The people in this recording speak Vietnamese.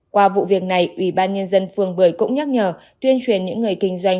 qua vụ việc này ủy ban nhân dân phường bưởi cũng nhắc nhở tuyên truyền những người kinh doanh